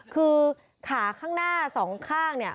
คือขาข้างหน้าสองข้างเนี่ย